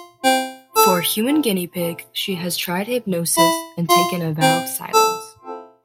For "Human Guinea Pig", she has tried hypnosis, and taken a vow of silence.